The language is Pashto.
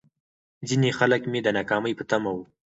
ځيني خلک مې د ناکامۍ په تمه وو.